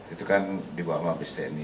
itu kan di warga pstn